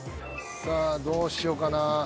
さあどうしよかな。